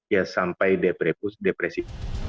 ya sampai depresi